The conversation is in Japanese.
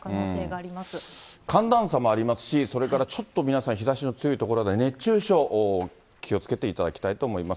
寒暖差もありますし、それからちょっと皆さん、日ざしの強い所、熱中症、気をつけていただきたいと思います。